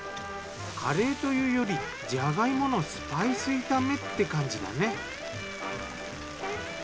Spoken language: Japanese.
カレーというよりじゃが芋のスパイス炒めって感じだね。